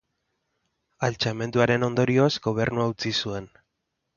Altxamenduaren ondorioz, gobernua utzi zuen.